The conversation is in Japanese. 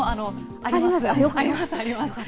あります、あります。